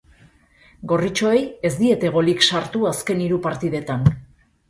Gorritxoei ez diete golik sartu azken hiru partidetan.